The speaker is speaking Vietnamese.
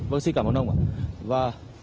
vâng xin cảm ơn ông ạ